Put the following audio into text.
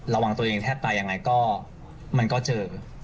ระวังตัวเองแทบตายยังไงก็มันก็เจอ